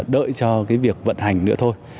đợi cho việc vận hành nữa thôi